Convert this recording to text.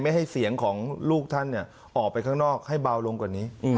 ให้เสียงของลูกท่านออกไปข้างนอกให้เบาลงกว่านี้